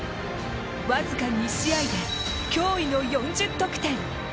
僅か２試合で脅威の４０得点。